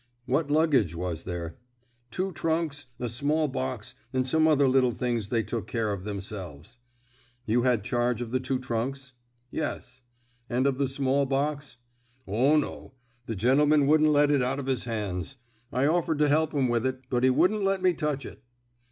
"What luggage was there?" "Two trunks, a small box, and some other little things they took care of themselves." "You had charge of the two trunks?" "Yes." "And of the small box?" "O, no; the gentleman wouldn't let it out of his hands. I offered to help him with it, but he wouldn't let me touch it."